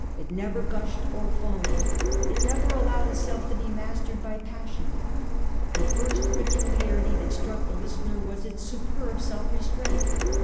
It never gushed or foamed. It never allowed itself to be mastered by passion. The first peculiarity that struck the listener was its superb self restraint.